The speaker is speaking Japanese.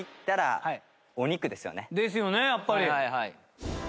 ですよねやっぱり。